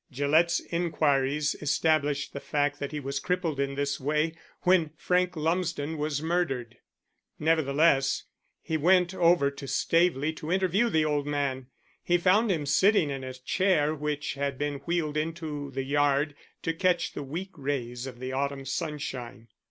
Gillett's inquiries established the fact that he was crippled in this way when Frank Lumsden was murdered. Nevertheless, he went over to Staveley to interview the old man. He found him sitting in a chair which had been wheeled into the yard to catch the weak rays of the autumn sunshine.